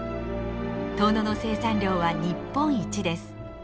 遠野の生産量は日本一です。